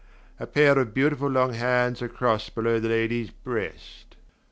A pair of beautiful long hands are crossed below the lady's breast...